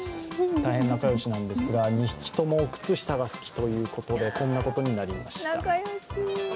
大変仲良しなんですが２匹とも靴下が好きということで、こんなことになりました。